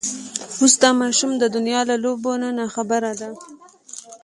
اوس دا ماشومه د دنيا له لوبو نه ناخبره ده.